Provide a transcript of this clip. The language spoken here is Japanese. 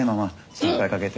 心配かけて。